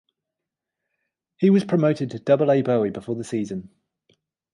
He was promoted to Double-A Bowie before the season.